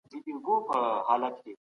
ښځي به د ځان په اړه تصميم نسو نيولای.